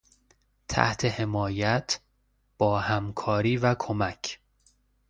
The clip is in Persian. تحت حمایت...، با همکاری و کمک...